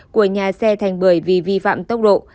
của nhà xe thành bưởi vì vi phạm tốc độ